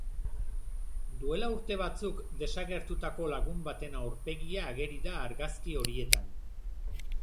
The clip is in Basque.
Duela urte batzuk desagertutako lagun baten aurpegia ageri da argazki horietan.